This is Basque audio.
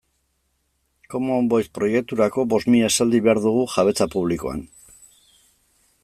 Common Voice proiekturako bost mila esaldi behar dugu jabetza publikoan